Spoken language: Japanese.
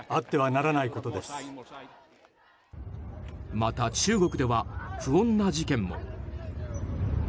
また、中国では不穏な事件も。